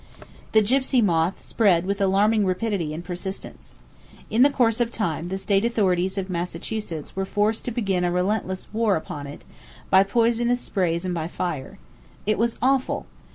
The gypsy moth spread with alarming rapidity and persistence. In course of time the state authorities of Massachuestts were forced to begin a relentless war upon it, by poisonous sprays and by fire. It was awful!